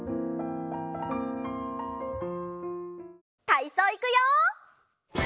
たいそういくよ！